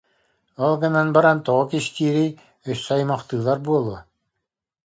Ол гынан баран тоҕо кистиирий, өссө аймахтыылар буолуо